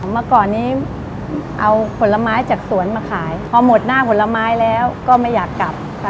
เมื่อก่อนนี้เอาผลไม้จากสวนมาขายพอหมดหน้าผลไม้แล้วก็ไม่อยากกลับค่ะ